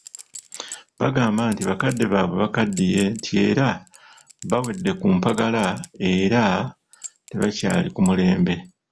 Bagamba nti bakadde baabwe bakaddiye nti era bawedde ku mpagala era tebakyali ku mulembe.